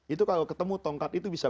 itu kalau ketemu tongkat itu bisa